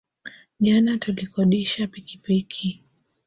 Jana tulikodisha pikipiki